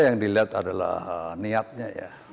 yang dilihat adalah niatnya